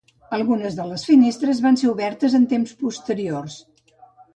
Algunes de les finestres van ser obertes en temps posteriors.